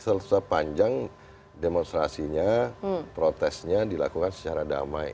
sepanjang demonstrasinya protesnya dilakukan secara damai